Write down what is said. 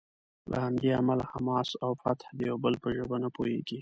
له همدې امله حماس او فتح د یو بل په ژبه نه پوهیږي.